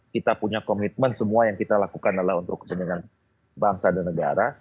kita punya komitmen semua yang kita lakukan adalah untuk kepentingan bangsa dan negara